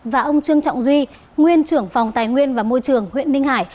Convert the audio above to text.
và ông trương trọng duy nguyên trưởng phòng tài nguyên và môi trường huyện ninh hải